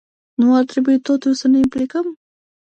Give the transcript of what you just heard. Nu ar trebui, totuși, să ne implicăm?